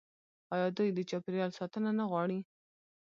آیا دوی د چاپیریال ساتنه نه غواړي؟